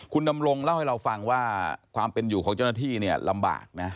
คุณดำรงเล่าให้เราฟังว่าความเป็นอยู่ของเจ้าหน้าที่เนี่ยลำบากนะ